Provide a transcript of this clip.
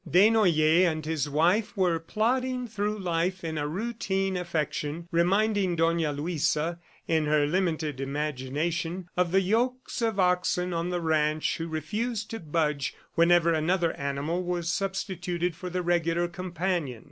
Desnoyers and his wife were plodding through life in a routine affection, reminding Dona Luisa, in her limited imagination, of the yokes of oxen on the ranch who refused to budge whenever another animal was substituted for the regular companion.